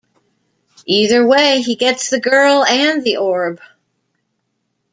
Either way, he gets the girl and the orb.